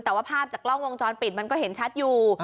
แต่ว่าภาพจากกล้องวงจรปิดมันก็เห็นชัดอยู่